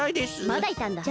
まだいたんだ。